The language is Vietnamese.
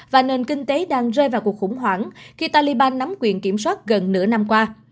và nền kinh tế đang rơi vào cuộc khủng hoảng khi taliban nắm quyền kiểm soát gần nửa năm qua